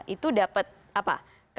itu dapat apa